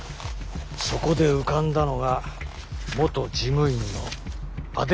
そこで浮かんだのが元事務員の阿出川香里３８歳。